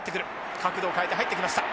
角度を変えて入ってきました。